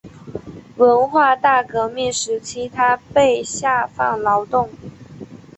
文化大革命时期他被下放劳动。